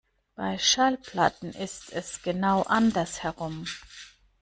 Bei Schallplatten ist es genau andersherum.